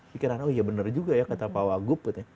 pikiran oh iya bener juga ya kata pak wagu